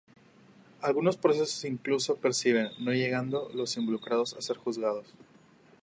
Algunos procesos incluso prescriben, no llegando los involucrados a ser juzgados.